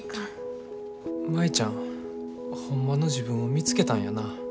舞ちゃんホンマの自分を見つけたんやな。